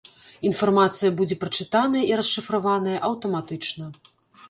Інфармацыя будзе прачытаная і расшыфраваная аўтаматычна.